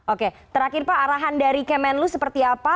oke terakhir pak arahan dari kemenlu seperti apa